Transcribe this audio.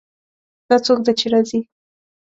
دا څوک ده چې راځي